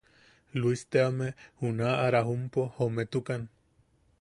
Luis teame, junaʼa Rajumpo jometukan.